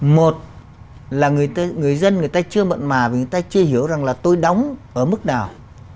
một là người dân người ta chưa mận mà vì người ta chưa hiểu rằng là tôi đóng ở mức nào